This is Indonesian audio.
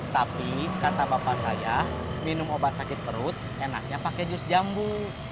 tapi kata bapak saya minum obat sakit perut enaknya pakai jus jambu